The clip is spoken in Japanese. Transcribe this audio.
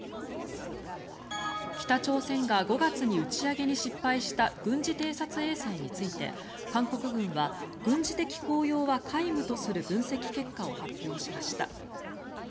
北朝鮮が５月に打ち上げに失敗した軍事偵察衛星について韓国軍は軍事的効用は皆無とする分析結果を発表しました。